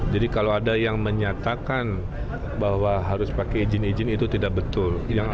jadi kalau ada yang menyatakan bahwa harus pakai izin izin itu tidak betul